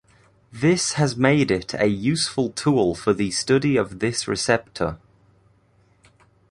This has made it a useful tool for the study of this receptor.